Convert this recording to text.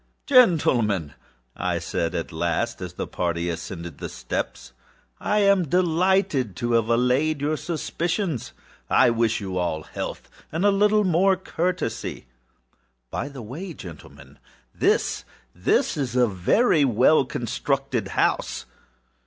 âGentlemen,â I said at last, as the party ascended the steps, âI delight to have allayed your suspicions. I wish you all health, and a little more courtesy. By the bye, gentlemen, thisâthis is a very well constructed house.